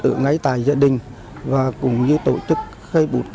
ở ngay tại gia đình và cũng như tổ chức khai bụt